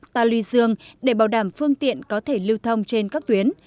tà lư dương để bảo đảm phương tiện có thể lưu thông trên các tuyến